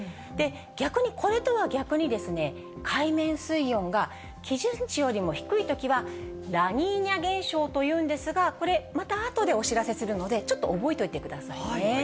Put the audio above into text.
逆にこれとは逆にですね、海面水温が基準値よりも低いときは、ラニーニャ現象というんですが、これまたあとでお知らせするので、ちょっと覚えておいてくださいね。